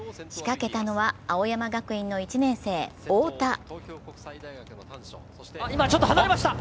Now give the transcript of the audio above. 仕掛けたのは青山学院の１年生、太田。